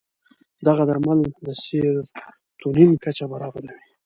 دغه درمل د سیروتونین کچه برابروي.